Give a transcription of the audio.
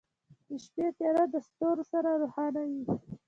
• د شپې تیاره د ستورو سره روښانه وي.